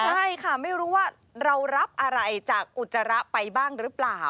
ใช่ค่ะไม่รู้ว่าเรารับอะไรจากอุจจาระไปบ้างหรือเปล่า